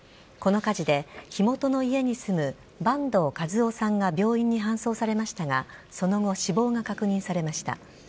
この火事で火元の家に住む坂東和雄さんが病院に搬送されましたが、その後、死亡が確認されました。